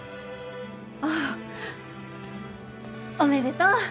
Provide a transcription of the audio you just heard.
あっおめでとう。